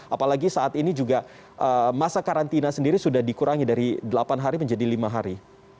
apalagi saat ini juga masa karantina sendiri sudah dikurangi dari delapan hari menjadi lima hari